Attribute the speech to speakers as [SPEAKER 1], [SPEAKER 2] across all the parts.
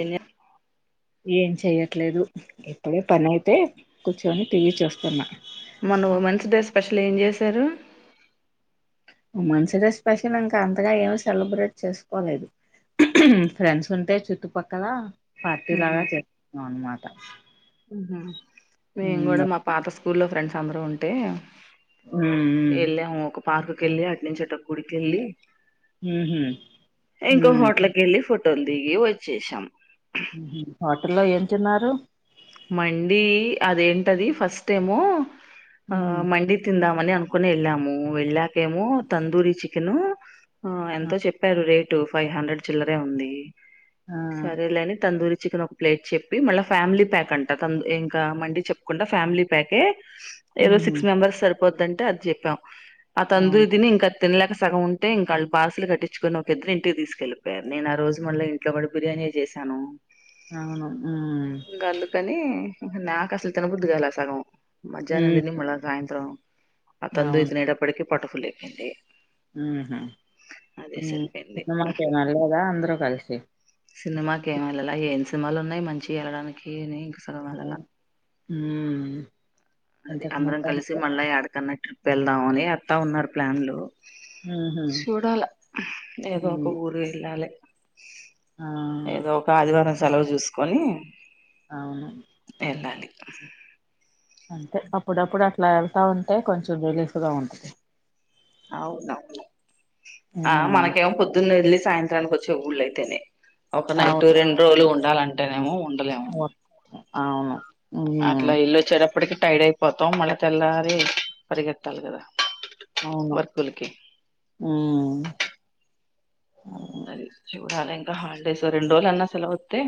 [SPEAKER 1] ఏని
[SPEAKER 2] ఏం చెయట్లేదు ఇప్పుడే పని అయితే కూర్చొని టీవీ చూస్తున్నా
[SPEAKER 1] మొన్న ఉమెన్స్ డే స్పెషల్ ఏం జేశారు
[SPEAKER 2] ఉమెన్స్ డే స్పెషల్ ఇంకా అంతగా ఏమో సెలబ్రేట్ చేసుకోలేదు ఫ్రెండ్స్ ఉంటే చుట్టుపక్కల పార్టీ లాగా జరుపుకున్నం అన్నమాట
[SPEAKER 1] ఊహు మేము గుడా మా పాత స్కూల్లో ఫ్రెండ్స్ అందరూ ఉంటే ఎళ్ళాము ఒక పార్కుకెళ్ళి అటు నుంచి అటు గుడికెళ్ళి ఇంకో హోటల్కెళ్ళి ఫోటోలు దిగి వచ్చేసాం
[SPEAKER 2] ఉహు హోటల్లో ఏం తిన్నారు
[SPEAKER 1] మండీ అదేంటది ఫస్టేమొ ఆ
[SPEAKER 2] ఉమ్
[SPEAKER 1] మండి తిందాం మని అనుకునే వెళ్ళాము వెళ్ళాకేమో తందూరి చికెన్ ఉ
[SPEAKER 2] ఆ
[SPEAKER 1] ఎంతో చెప్పారు రేట్ టూ ఫైవ్ హండ్రెడ్ చిల్లరే ఉంది
[SPEAKER 2] ఆ
[SPEAKER 1] సరే లేని తందూరి చికెన్ ఒక ప్లేట్ చెప్పి మళ్ళా ఫ్యామిలీ ప్యాక్ అంట ఇంకా మండీ చెప్పకుండా ఫ్యామిలీ ప్యాకే ఏదో
[SPEAKER 2] ఉహు
[SPEAKER 1] సిక్స్ మెంబర్స్ సరిపోద్దంటే అది జెప్పాం ఆ
[SPEAKER 2] అవును
[SPEAKER 1] తందూరి దిని ఇంక తినలేక సగం ఉంటే ఇంకాళ్ళు పార్సుల్ కట్టిచ్చుకొని ఒక ఇద్దరు ఇంటికి దీసుకెళ్లిపోయారు నేను ఆరోజు మళ్ళీ ఇంట్లో మడి బిర్యానీ జేసాను
[SPEAKER 2] అవును ఉ
[SPEAKER 1] ఉహు నాకసలు తిన బుద్దుగాల సగము మధ్యానం
[SPEAKER 2] ఉమ్
[SPEAKER 1] దిని మళ్ళ సాయంత్రం ఆ తందురి తినేటప్పటికీ పొట్ట ఫుల్ అయిపెంది
[SPEAKER 2] ఊ హు
[SPEAKER 1] సరిపోయింది
[SPEAKER 2] సినిమాకేమి వెళ్ళలేదా అంద్రూ కలిసి
[SPEAKER 1] సినిమాకి ఏమి వెళ్ళాల ఏం సినిమాలు ఉన్నాయ్ మంచివి వెళ్ళడానికి అని సెళ్వళ్ళలా
[SPEAKER 2] ఉమ్
[SPEAKER 1] అది
[SPEAKER 2] ఇంతకు
[SPEAKER 1] అందరం
[SPEAKER 2] ముందు
[SPEAKER 1] కలిసి
[SPEAKER 2] అంటే
[SPEAKER 1] మళ్ళా ఆడకన్న ట్రిప్ వెళ్దామని అత్తా ఉన్నారు ప్లాన్లు
[SPEAKER 2] ఉహు
[SPEAKER 1] చూడాల ఏదో ఒక
[SPEAKER 2] హ్మ్.
[SPEAKER 1] ఊరు ఎళ్ళాలే
[SPEAKER 2] ఆ
[SPEAKER 1] ఏదో ఒక ఆదివారం సెలవు జూసుకొని
[SPEAKER 2] అవును అంటే అప్పుడప్పుడు అట్లా ఎళ్తా ఉంటే కొంచెం రిలీఫ్ గా ఉంటది
[SPEAKER 1] అవును ఆ
[SPEAKER 2] ఉమ్
[SPEAKER 1] మనకేమో పొద్దున్నే వెళ్లిసి సాయంత్రానికి వచ్చే ఊళ్ళయితేనే ఒక నైట్ రెండు రోజులు ఉండాలంటేనేమో ఉం
[SPEAKER 2] ఓ అవును ఉమ్
[SPEAKER 1] అట్లా ఎల్లి వచ్చేడప్పటికి టైడ్ అయిపోతాం మళ్ళీ తెల్లారి పరిగెత్తాలి గదా
[SPEAKER 2] అవును ఊ
[SPEAKER 1] అది చూడాలి ఇంకా హాలిడేస్ రెండు రోజులన్నా సెలవత్తే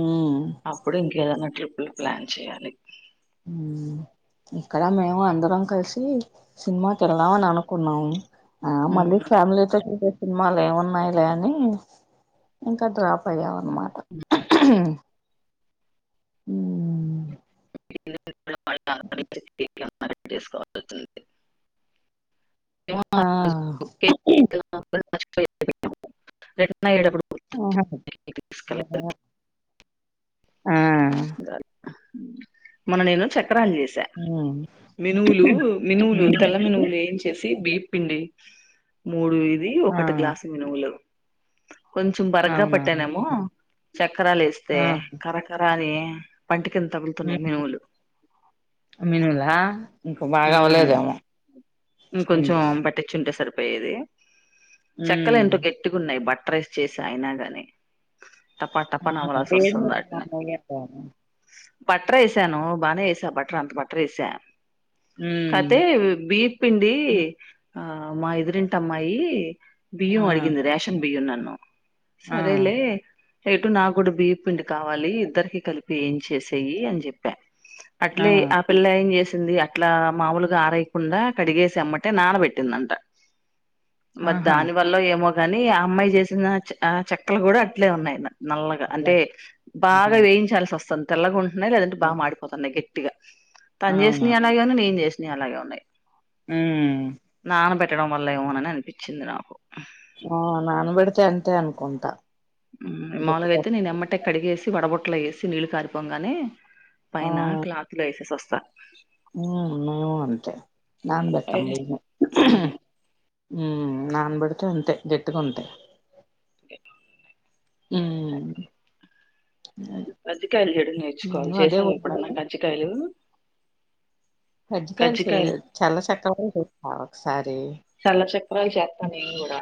[SPEAKER 2] ఉమ్
[SPEAKER 1] అప్పుడు ఇంకేదన్నా ట్రిప్లు ప్లాన్ చేయాలి.
[SPEAKER 2] హ్మ్ ఇక్కడ మేము అందరం కలిసి సినిమాకి వెళ్దామని అనుకున్నాము. ఆ మళ్ళీ ఫ్యామిలీతో ట్రిపెప్ సినిమాలు ఏమున్నాయిలే అని ఇంకా డ్రాప్ అయ్యామ్. అన్మాట. హ్మ్
[SPEAKER 1] [inaudible] చేస్కపోతుంది. [inaudible]
[SPEAKER 2] ఆ
[SPEAKER 1] నా వెళ్ళేటప్పుడు [inaudible]
[SPEAKER 2] ఆ ఆ
[SPEAKER 1] మొన్న నేను చె క్రాలు చేసా
[SPEAKER 2] ఉమ్
[SPEAKER 1] మినువులు మినువులు తెల్ల మినువులు ఏం చేసి వేప్ పిండి మూడు ఇది ఒకటి
[SPEAKER 2] ఆ
[SPEAKER 1] గ్లాసు మినుములు కొంచెం బరగ్గా
[SPEAKER 2] అవునా
[SPEAKER 1] పట్టానేమో చక్రాలు
[SPEAKER 2] ఆ
[SPEAKER 1] వేస్తే కరకరా అని పంటి కింద తగులుతున్నాయి
[SPEAKER 2] హ్మ్
[SPEAKER 1] మినువులు
[SPEAKER 2] మినులా ఇంక బాగా
[SPEAKER 1] ఉమ్,
[SPEAKER 2] అవ్వలేదేమో. పిండి
[SPEAKER 1] ఇంకొంచెం పట్టిచ్చుంటే సరిపోయేది చెక్కలు
[SPEAKER 2] ఉమ్
[SPEAKER 1] ఎంటో గట్టిగా ఉన్నాయి బట్ట టరేస్ చేసా అయినాగాని. టపా టపా
[SPEAKER 2] ఆహా
[SPEAKER 1] నవళాల్సిస్తోందాట్నీ. బట్రేసాను బాగానే వేసా బటర్ అంత బట్రేసా
[SPEAKER 2] ఉమ్
[SPEAKER 1] కాతే బీ ఆ మా ఎదురింటి అమ్మాయి
[SPEAKER 2] ఆ
[SPEAKER 1] బియ్యం అడిగింది రేషన్ బియ్యం నన్ను.
[SPEAKER 2] ఆ
[SPEAKER 1] సరేలే ఎటు నా కూడా బియ్యప్ పిండి కావాలి ఇద్దరికి కలిపి ఏం చేసేయి అని చెప్పా. అట్లే ఆ పిల్ల ఏం చేసింది అట్లా మాముూలుగా ఆరయ్యకుండా. కడిగేసి ఎమ్మటే నానబెట్టిందంట మరి
[SPEAKER 2] ఆహా
[SPEAKER 1] దాని వల్ల ఏమో కాని ఆ అమ్మాయి చేసిన ఆ చె చెక్కలు కూడా అట్లే ఉన్నాయి. నల్లగా
[SPEAKER 2] అట్లా
[SPEAKER 1] అంటే
[SPEAKER 2] ఆహా
[SPEAKER 1] బాగా వేయించాల్సి వస్తుంది తెల్లగా ఉంటున్నాయి లేదంటే
[SPEAKER 2] అవు
[SPEAKER 1] బాగా మాడిపోతున్నాయి గట్టిగా. తన్
[SPEAKER 2] అవునా
[SPEAKER 1] చేసినయ్ అలాగే ఉన్నాయి నేన్ చేసినయ్ అలాగే ఉన్నాయి.
[SPEAKER 2] హ్మ్
[SPEAKER 1] మళ్ల ఏమోనని అనిపించ్చింది నాకు.
[SPEAKER 2] ఆ నానబెడితే అంతే అనుకుంటా.
[SPEAKER 1] మాములుగయితే నేను ఎమ్మటే కడిగేసి వడబుట్టలో వేసి నీళ్లు కారిపోంగానే పైన క్లాత్లో వేసేసి వస్తా.
[SPEAKER 2] ఉ మేము అంతే నాన్ బెట్టం బియ్యం.
[SPEAKER 1] ఉమ్.
[SPEAKER 2] ఉ నానబడితే అంతే గట్టిగుంటయ్. ఉమ్
[SPEAKER 1] కజ్జికాయలు చెడు నేర్చుకోవాలి
[SPEAKER 2] నేను అదే
[SPEAKER 1] చేసావా ఎప్పుడన్నా కజ్జికాయలు.
[SPEAKER 2] కజ్జికాయలు చేయలేదు చల్ల చక్క చేసా ఒకసారి.
[SPEAKER 1] చల్ల చక్రాలు చేత్తా నేన్ కూడా.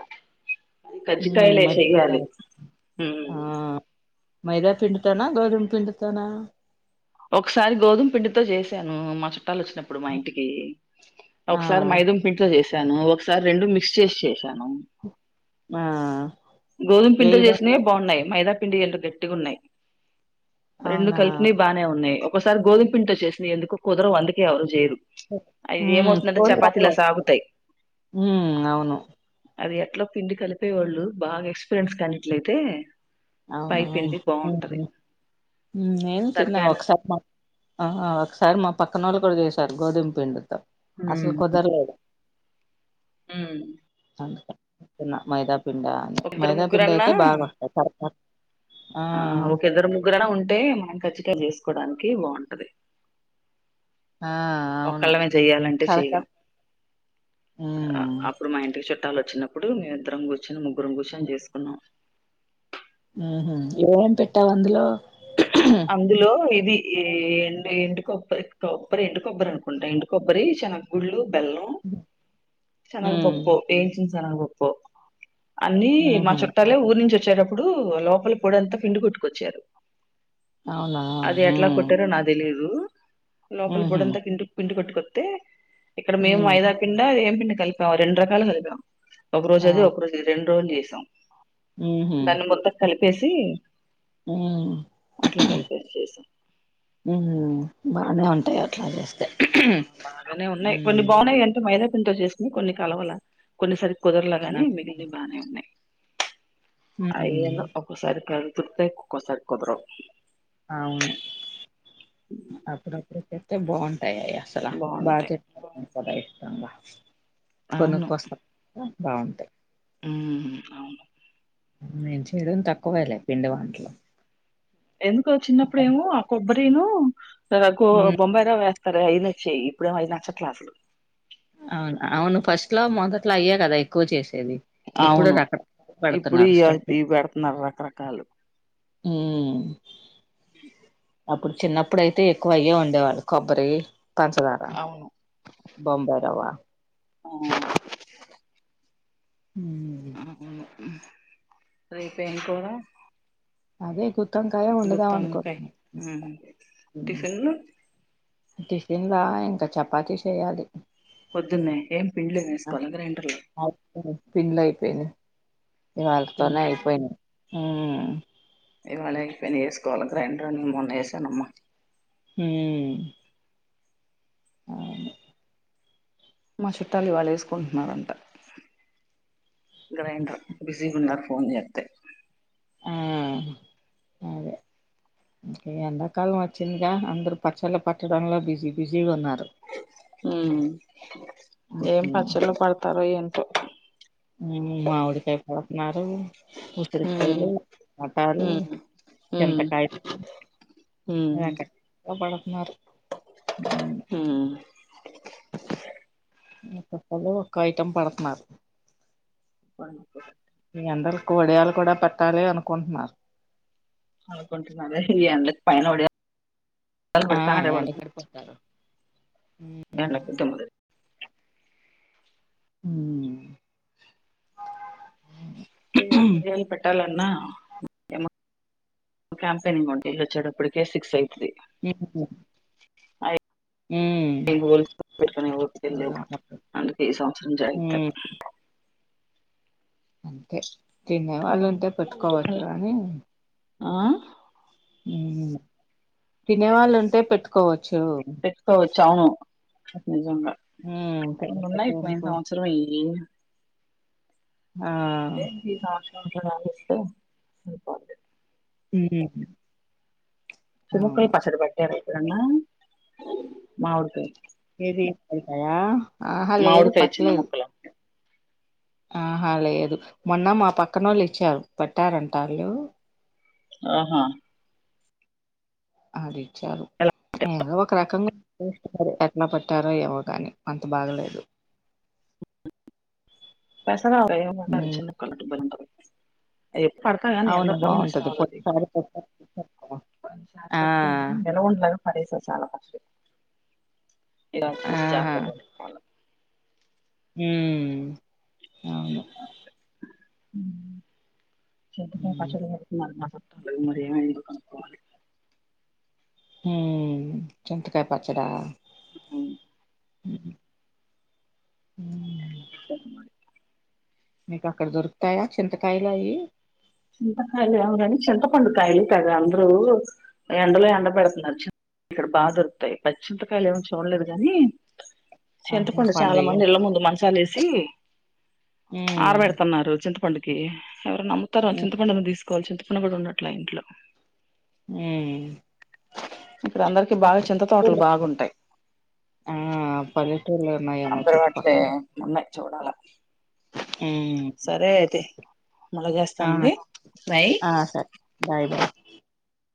[SPEAKER 2] హ్మ్
[SPEAKER 1] కజ్జికాయలే
[SPEAKER 2] మజ్జిగ
[SPEAKER 1] చెయ్యాలి హ్మ్
[SPEAKER 2] ఆ మైదా పిండితోనా గోధం పిండితోనా
[SPEAKER 1] ఒకసారి గోధుమ్ పిండితో చేశాను మా చు చుట్టాలు వచ్చినప్పుడు మా ఇంటికి
[SPEAKER 2] ఆ
[SPEAKER 1] ఒకసారి మైదం పిండితో చేసా. సాను ఒకసారి రెండు మిక్స్ చేసి చేసాను.
[SPEAKER 2] ఆ
[SPEAKER 1] గోధుమ పిండితో
[SPEAKER 2] ఏయి బ
[SPEAKER 1] చేసినవి బాగున్నాయి మైదా పిండి ఎంటో గట్టిగున్నాయ్. రెండు
[SPEAKER 2] అవునా
[SPEAKER 1] కలిపినవి బానే ఉన్నాయి ఒకసారి గోధుం పిండితో చేసినయ్ ఎందుకో కుదరవు అందుకే ఎవరు చేయరు. అది
[SPEAKER 2] హ్మ్
[SPEAKER 1] ఏమవుతుందంటే
[SPEAKER 2] కోడి బాగా
[SPEAKER 1] చపాతీలా సాగుతయి.
[SPEAKER 2] హ్మ్ అవును
[SPEAKER 1] అది ఎట్లా పిండి కలిపేవాళ్ళు బాగా ఎక్స్పీరియన్స్ కానీట్లయితే. పై పిండి బాగుంటది
[SPEAKER 2] అవునువును నేను తిన్నా
[SPEAKER 1] దానికైనా
[SPEAKER 2] ఒకసారి మా ఆ ఒకసారి మా పక్కనోళ్ళక్ ఇప్పుడు చేసారు గోధుమ పిండితో అసలు కుదరలేదు
[SPEAKER 1] ఉ
[SPEAKER 2] [inaudible] మైదాపిం అని
[SPEAKER 1] ఒక ఇద్దరు
[SPEAKER 2] మైదా పపింండ
[SPEAKER 1] ముగ్గురన్నా
[SPEAKER 2] అయితే బాగా వస్తాయి
[SPEAKER 1] ఆ ఒక ఇద్దరు ముగ్గురనా ఉంటే మానకచ్చ కోడానికి బాగుంటది
[SPEAKER 2] ఆ అవును
[SPEAKER 1] ఒకళ్ళ మేము చెయ్యాలంటే చెయలేం
[SPEAKER 2] కరకర హ్మ్
[SPEAKER 1] అప్పుడు మా ఇంటికి చుట్ట పట్టాలు వచ్చినప్పుడు మేముమిద్దరం కూర్చొని ముగ్గురం కూర్చొని చేసుకున్నాం
[SPEAKER 2] ఇవం పెట్టావు అందులో
[SPEAKER 1] అందులో ఇది ఈ ఎం ఎండు కొబ్బ బేల చెనగా
[SPEAKER 2] ఉమ్
[SPEAKER 1] పప్ప ఏయించ సనగా పప్ప అన్నిీ మా
[SPEAKER 2] ఉహు
[SPEAKER 1] చుట్టాలే ఊరు నుంచి వచ్చేటప్పుడు లోపల పూడంతా పిండి కొట్టుకొచ్చారు
[SPEAKER 2] అవునా
[SPEAKER 1] అది ఎట్లా
[SPEAKER 2] ఉమ్
[SPEAKER 1] కొటిరో నాకు తలేదు లోపల
[SPEAKER 2] ఉహు
[SPEAKER 1] పొడంతా కి పిం కొట్టుకొస్తతే ఇక్కడ పిం
[SPEAKER 2] ఉమ్
[SPEAKER 1] ఏం పం కలిపాం రెండు రకాలు కలిపాం ఒక రోజు
[SPEAKER 2] ఆ
[SPEAKER 1] అది ఒక రోజు అది రెండు రోజులు చేసాం దాన్ని మొత్తం కలిపేసి
[SPEAKER 2] ఉ
[SPEAKER 1] అట్లా కలిపేసి చేసాం
[SPEAKER 2] ఊహు బానే ఉంటాయి అట్లా చేస్తే
[SPEAKER 1] బాగానే ఉన్నాయి
[SPEAKER 2] ఉమ్
[SPEAKER 1] కొన్ని బాగున్నాయి అంటే మైదా పతో చేసుకు కొన్ని కలవల కొన్నిసరి కుదరలా
[SPEAKER 2] ఆ
[SPEAKER 1] గాని మిగిలి బాగానే ఉన్నాయి
[SPEAKER 2] ఉమ్
[SPEAKER 1] అయ్యన్న ఒక్కసారి కదుతుడుతే ఒక్కసారి కుదరావు
[SPEAKER 2] అవును అప్పుడప్పుడుకస్తతే బాగుంటు అంటా అసలు
[SPEAKER 1] బాగుంటాయి
[SPEAKER 2] బాధట్ం కూడా ఇష్టంగా కొన్ని కోస బాగుంటాయి
[SPEAKER 1] ఉ అవును
[SPEAKER 2] మేం చెయడం తక్కువేలే పిండి వంటలో
[SPEAKER 1] ఎందుకు చిన్నప్పుడుేమో ఆ కొబ్బరిను
[SPEAKER 2] ఉమ్
[SPEAKER 1] బొంబయిలో వేస్తారు అఐన వచ్చేయి ఇప్పుడుే అఐదుచ్చ క్లాసులు
[SPEAKER 2] అలా అయ్య కదాక్కువ చేస్తా ేది ఇప్పుడు
[SPEAKER 1] అవును
[SPEAKER 2] రకర
[SPEAKER 1] ఇప్పుడు
[SPEAKER 2] పెడుతున్నారు
[SPEAKER 1] ఇ
[SPEAKER 2] స్ట
[SPEAKER 1] ఇవి పెడుతున్నారు రకరకాలు
[SPEAKER 2] ఉ అప్పుడు చిన్నప్పుడుయితే ఎక్కువ అయ్యే ఉండేవాళ్ళు కొబ్బరి పంచదార
[SPEAKER 1] అవును
[SPEAKER 2] బంబై రవా
[SPEAKER 1] ఆ
[SPEAKER 2] హ్మ్.
[SPEAKER 1] ఆ అవును రూపం కూడా
[SPEAKER 2] అదే గుత్
[SPEAKER 1] గుప్తావకాయ టిఫిన్
[SPEAKER 2] టిఫిన్ లా ఇంకా చపాతి చేయాలి
[SPEAKER 1] పొద్దున్నే ఏం పిండ్లేం వేసుకోవాలా గ్రైండర్లో
[SPEAKER 2] పిల్లయిపోయిను ఇవాళ్ళతోనే
[SPEAKER 1] పిండ్లు
[SPEAKER 2] అయిపోయినాయి ఉ
[SPEAKER 1] ఇవాళ అయిపోయినా వేసుకోవాలి గ్రైండర్ని మొన్న వేసానమ్మా
[SPEAKER 2] హ అను
[SPEAKER 1] మా చుట్టాలు ఇవాళు వేసుకుంటున్నారంట గ్రైండర్ బిజీగా ఉన్నారు పూన్్యత్
[SPEAKER 2] ఉ అదే కే ఎండాకాలం వచ్చిందిగా అందరుూ పచ్చళ్ళు పట్టడంంలో బిజీ బిజీగా ఉన్నారు
[SPEAKER 1] హ ఏం
[SPEAKER 2] ఉమ్
[SPEAKER 1] పచ్చళ్ళు పడతారో ఏంటో
[SPEAKER 2] మామిడికాయ పడుతున్నారు
[SPEAKER 1] ఉమ్
[SPEAKER 2] ఉసిరికాయలు ఆటాలు
[SPEAKER 1] ఉమ్ ఉమ్
[SPEAKER 2] చెంతకాయ పంచాడు రకరాలు
[SPEAKER 1] మ్మ్
[SPEAKER 2] ఒక్కొక్కలు ఒక్కొ ఐటం పెడుతున్నారు మీ అందరు వడియాలు కూడా పెట్టాలి అనుకుంటున్నారు
[SPEAKER 1] అనుకుంటున్నారా ఈ ఎండకి పైన
[SPEAKER 2] ఆ
[SPEAKER 1] వడియాలు
[SPEAKER 2] ఎండకడిపోతారు
[SPEAKER 1] ఎండాకి [unintelligible]
[SPEAKER 2] మ్మ్
[SPEAKER 1] ఏమి ఏమన్నా పెట్టాలన్న క్యాంపెనింగ్ ఉంటే ఎళ్ళి వచ్చాడు అప్పటికే సిక్స్ అయితాది
[SPEAKER 2] మిము [unintelligible]
[SPEAKER 1] అ
[SPEAKER 2] ఆ
[SPEAKER 1] ఇళ్ళాకి వాళ్ళాకి వద్దికాలు లేవు అందుకే ఈ సంవత్సరం జాగితారు [unintelligible]
[SPEAKER 2] అంతే తినేవాళ్ళుంటే పెట్టుకోవాలి కాని
[SPEAKER 1] ఆ
[SPEAKER 2] తినేవాళ్ళు ఉంటే పెట్టుకోవ
[SPEAKER 1] నిజంగా
[SPEAKER 2] ఉమ్, తినకపోతే
[SPEAKER 1] ఇన్నన్నాయి పోయిన
[SPEAKER 2] ఎందుకు
[SPEAKER 1] సంవత్సరమే ఇయ్యి
[SPEAKER 2] ఆ
[SPEAKER 1] ఏంది ఈ సంవత్సరం ఇలా సాగిస్తే
[SPEAKER 2] హ
[SPEAKER 1] చెముక్కయ పచ్చడి బట్టర ఎప్పుడన్న
[SPEAKER 2] ఆహ లేదు
[SPEAKER 1] మామిడికాయ చిన్న
[SPEAKER 2] పట్టలేదు
[SPEAKER 1] ముక్కలు
[SPEAKER 2] ఆహా లేదు మొన్న మా పక్కన వాళ్ళు ఇచ్చారు పెట్టారంట వాళ్ళు
[SPEAKER 1] ఆహా
[SPEAKER 2] అది ఇచ్చారు
[SPEAKER 1] ఎలా
[SPEAKER 2] ఏదో ఒక రకంగా ఎట్లా పట్టారో ఇవోగాని అంత బాగలేదు
[SPEAKER 1] పెసన్న
[SPEAKER 2] మ్మ్
[SPEAKER 1] బ్బ [unintelligible] ఎప్పుడు పడతాయ ఎందో
[SPEAKER 2] అవును
[SPEAKER 1] ఉంటడ
[SPEAKER 2] బాగుంటది
[SPEAKER 1] [unintelligible] అది
[SPEAKER 2] పోయినసారి ఆ
[SPEAKER 1] ఏమో అబ్బ పరస చాలా కష్ట ఇలా చూసి జాగ్రాత్త
[SPEAKER 2] ఆహా
[SPEAKER 1] గా పట్టుకోవాల్ల
[SPEAKER 2] మ్మ్ అవును
[SPEAKER 1] చింతకాయ పచ్చడి పెడుతున్నారు మా చుట్టూ
[SPEAKER 2] హ్మ్ చింతకాయ పాచ్చడా
[SPEAKER 1] అవును
[SPEAKER 2] అవున
[SPEAKER 1] అట్లా మోత్తం నూరలే
[SPEAKER 2] మీకు అక్కడ దొరుకుతాయా చింతకాయలు అవి
[SPEAKER 1] చింతకాయలు కాదు కాని చింతపండు కాయలు తెగ అందరూ ఎండలో ఎండ పెడుతున్నారు చి ఇక్కడ బాగా దొరుకుతాయి పచ్చి చింతకాయలు ఏమ్ చూడలేదు కాని
[SPEAKER 2] ఆహా
[SPEAKER 1] చింతపండు చాలా
[SPEAKER 2] పండుయా
[SPEAKER 1] మంది ఇళ్ళ ముందు మంచాలేసి
[SPEAKER 2] మ్మ్
[SPEAKER 1] ఆరబెడుతున్నారు చింత ఎవరు నమ్ముతారా అని చింతపండు తీసుకోవాలి చింతపండు కూడా ఉన్నట్లా ఇంట్లో
[SPEAKER 2] మ్మ్
[SPEAKER 1] ఇప్పుడు అందరికి బాగా చింత తోటలు బాగుంటాయి
[SPEAKER 2] ఆ పల్లెటూరులో ఉన్నాయేమో
[SPEAKER 1] అబరివాట్లే
[SPEAKER 2] చుట్టుపక్కల
[SPEAKER 1] [unintelligible] ఉన్నాయి చూడాల
[SPEAKER 2] ఉమ్.
[SPEAKER 1] సరే అయితే మళ్ళా
[SPEAKER 2] ఆ
[SPEAKER 1] చేస్తానండి బాయ్
[SPEAKER 2] ఆ సరే బాయ్ బాయ్